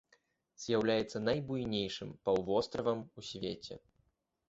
З'яўляецца найбуйнейшым паўвостравам у свеце.